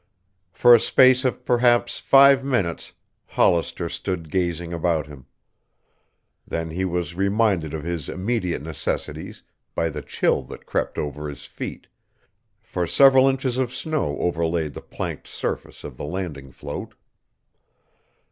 For a space of perhaps five minutes Hollister stood gazing about him. Then he was reminded of his immediate necessities by the chill that crept over his feet, for several inches of snow overlaid the planked surface of the landing float.